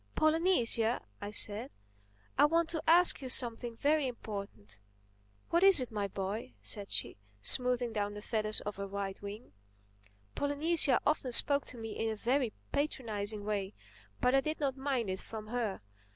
"Polynesia," I said, "I want to ask you something very important." "What is it, my boy?" said she, smoothing down the feathers of her right wing. Polynesia often spoke to me in a very patronizing way. But I did not mind it from her.